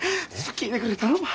聞いてくれ頼むわ。